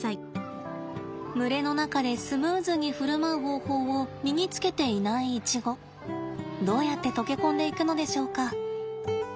群れの中でスムーズに振る舞う方法を身につけていないイチゴどうやって溶け込んでいくのでしょうか。